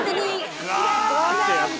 違います。